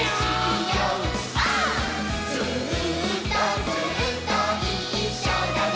「ずーっとずっといっしょだね」